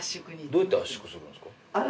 どうやって圧縮するんですか？